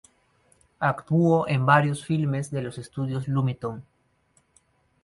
Actuó en varios filmes de los estudios Lumiton.